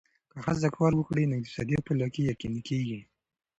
که ښځه کار وکړي، نو اقتصادي خپلواکي یقیني کېږي.